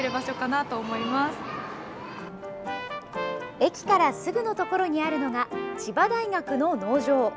駅からすぐのところにあるのが千葉大学の農場。